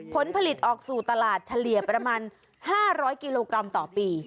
ผลผลิตออกสู่ตลาดเฉลี่ยประมาณ๕๐๐กิโลกรัมต่อปี